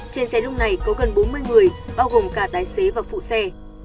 trên xe lúc này có gần bốn mươi người bao gồm cả tài xế và phụ xe